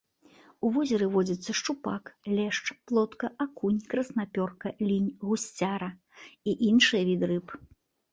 У возеры водзяцца шчупак, лешч, плотка, акунь, краснапёрка, лінь, гусцяра і іншыя віды рыб.